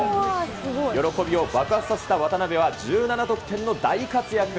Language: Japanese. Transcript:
喜びを爆発させた渡邊は１７得点の大活躍。